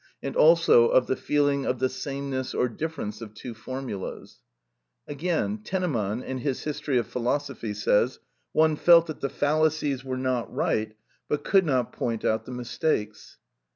339), and also of the feeling of the sameness or difference of two formulas (p. 342). Again Tennemann in his "History of Philosophy" (vol. I., p. 361) says, "One felt that the fallacies were not right, but could not point out the mistakes."